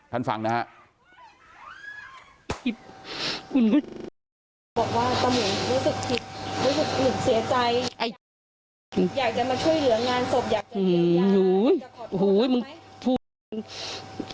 ท่านฟังนะฮะ